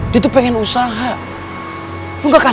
iya ya gamble nya australians juntos juga